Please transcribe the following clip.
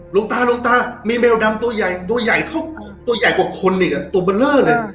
ลูกตาลูกตามีแมวดำตัวใหญ่ตัวใหญ่กว่าคนอีกอ่ะตัวเบลอเลย